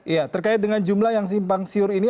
ya terkait dengan jumlah yang simpang siur ini